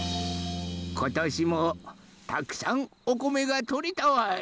ことしもたくさんおこめがとれたわい。